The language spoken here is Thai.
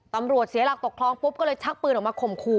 ตำรวจเสียหลักตกคลองปุ๊บก็เลยชักปืนออกมาข่มขู่